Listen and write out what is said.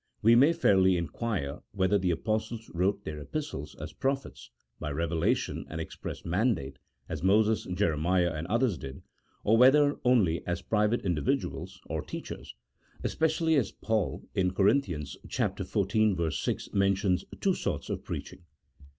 we may fairly inquire whether the Apostles wrote their Epistles as prophets, by revelation and express mandate, as Moses, Jeremiah, and others did, or whether only as private individuals or teachers, especially as Paul, in Corinthians xiv. 6, mentions two sorts of preaching.